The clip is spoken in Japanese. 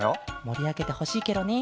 もりあげてほしいケロね。